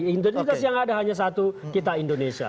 identitas yang ada hanya satu kita indonesia